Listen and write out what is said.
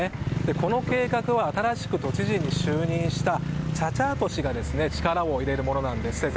この計画は新しく知事に就任したチャチャート氏が力を入れるものなんです。